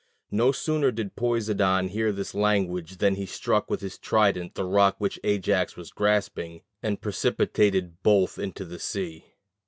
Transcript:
No sooner did Poseidon hear this language than he struck with his trident the rock which Ajax was grasping and precipitated both into the sea.